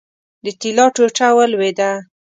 د طلا ټوټه ولوېده.